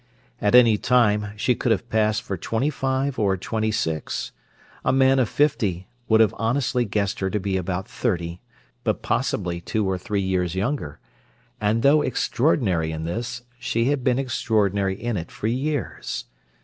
At any time she could have "passed" for twenty five or twenty six—a man of fifty would have honestly guessed her to be about thirty but possibly two or three years younger—and though extraordinary in this, she had been extraordinary in it for years.